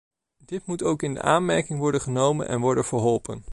Dit moet ook in aanmerking worden genomen en worden verholpen.